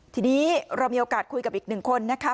ทีนี้เรามีโอกาสคุยกับอีกหนึ่งคนนะคะ